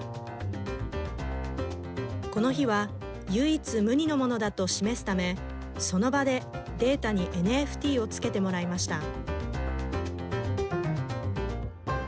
この日は唯一無二のものだと示すためその場でデータにＮＦＴをつけてもらいました。